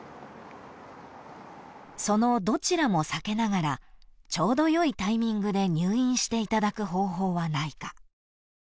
［そのどちらも避けながらちょうどよいタイミングで入院していただく方法はないか？］